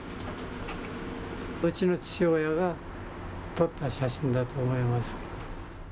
うちの父親が撮った写真だと思います。